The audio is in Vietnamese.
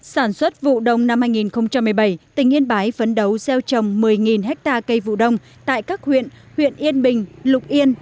sản xuất vụ đông năm hai nghìn một mươi bảy tỉnh yên bái phấn đấu gieo trồng một mươi ha cây vụ đông tại các huyện huyện yên bình lục yên